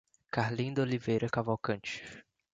Carlinda Oliveira Cavalcante